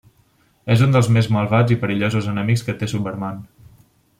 És un dels més malvats i perillosos enemics que té Superman.